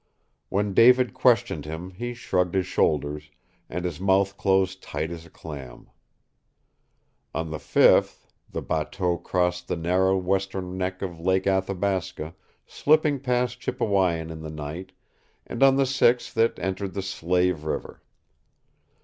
When David questioned him he shrugged his shoulders, and his mouth closed tight as a clam. On the fifth, the bateau crossed the narrow western neck of Lake Athabasca, slipping past Chipewyan in the night, and on the sixth it entered the Slave River.